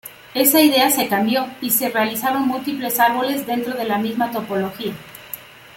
Esa idea se cambió y se realizaron múltiples árboles dentro de la misma topología.